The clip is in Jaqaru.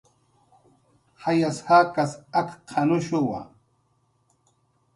"Jayas jakas akq""anushuwa"